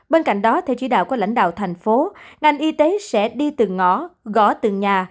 bên cạnh đó theo chỉ đạo của lãnh đạo thành phố ngành y tế sẽ đi từng ngõ gõ từng nhà